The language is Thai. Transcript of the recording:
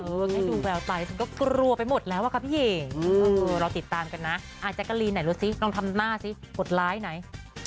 เออให้ดูแววตายก็กลัวไปหมดแล้วอ่ะค่ะพี่เห่งเออเราติดตามกันนะอ่าแจ๊กกะรีนไหนลดซิน้องทำหน้าซิกดไลน์ไหน